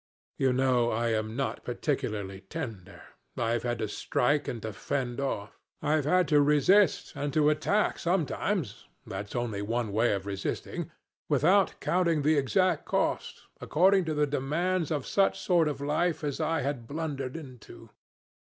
You know I am not particularly tender; I've had to strike and to fend off. I've had to resist and to attack sometimes that's only one way of resisting without counting the exact cost, according to the demands of such sort of life as I had blundered into.